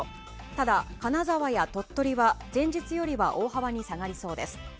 ただ、金沢や鳥取は前日よりは大幅に下がりそうです。